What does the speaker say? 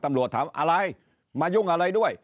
ตำรวจถามอะไรมายุ่งอะไรด้วย